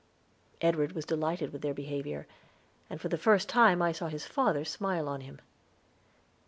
Edward was delighted with their behavior, and for the first time I saw his father smile on him.